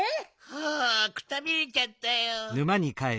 はあくたびれちゃったよ。